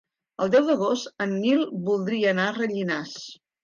El deu d'agost en Nil voldria anar a Rellinars.